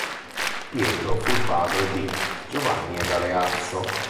Pietro fu padre di: Giovanni e Galeazzo.